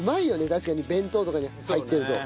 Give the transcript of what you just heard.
確かに弁当とかに入ってると。